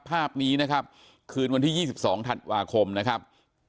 ภาพนี้นะครับคืนวันที่ยี่สิบสองถัดวาคมนะครับ